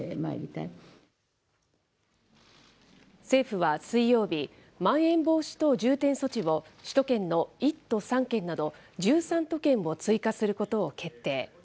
政府は水曜日、まん延防止等重点措置を首都圏の１都３県など、１３都県を追加することを決定。